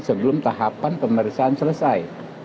sebelum tahapan pemeriksaan selesai